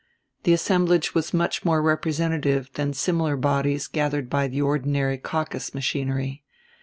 The assemblage was much more representative than similar bodies gathered by the ordinary caucus machinery.